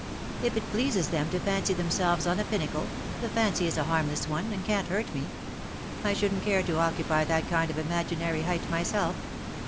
^' If it pleases them to fancy themselves on a pinnacle, the fancy is a harmless one, and can't hurt me. I shouldn''t care to occupy that kind of imaginary height myself.